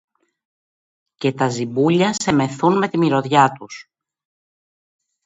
και τα ζιμπούλια σε μεθούν με τη μυρωδιά τους